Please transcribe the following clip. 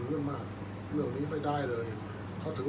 อันไหนที่มันไม่จริงแล้วอาจารย์อยากพูด